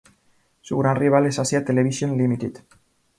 Su gran rival es Asia Television Limited.